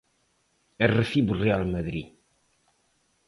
E recibe o Real Madrid.